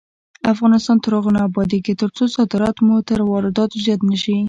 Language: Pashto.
افغانستان تر هغو نه ابادیږي، ترڅو صادرات مو تر وارداتو زیات نشي.